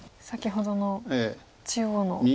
先ほどの中央の。